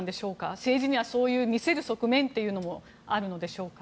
政治にはそういう見せる側面というのもあるのでしょうか。